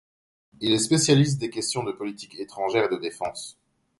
Il est spécialiste des questions de politique étrangère et de défense.